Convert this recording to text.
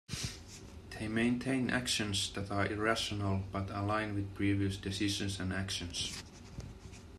They maintain actions that are irrational, but align with previous decisions and actions.